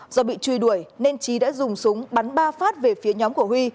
do bị truy đuổi nên trí đã dùng súng bắn ba phát về phía nhóm của huy